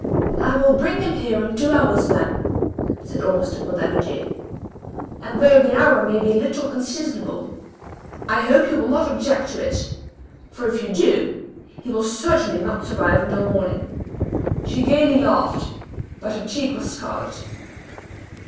"I will bring him here in two hours, then," said Ormiston, with energy; "and though the hour may be a little unseasonable, I hope you will not object to it; for if you do, he will certainly not survive until morning." She gayly laughed, but her cheek was scarlet.